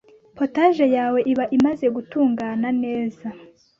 Potage yawe iba imaze gutungana neza